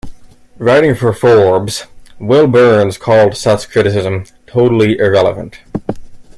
Writing for "Forbes", Will Burns called such criticism "totally irrelevant".